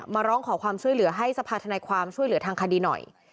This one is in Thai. มาร้องขอความช่วยเหลือให้สภาธนายความช่วยเหลือทางคดีหน่อย